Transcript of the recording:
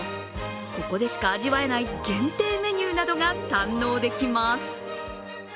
ここでしか味わえない限定メニューなどが堪能できます。